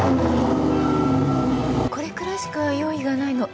これくらいしか用意がないの。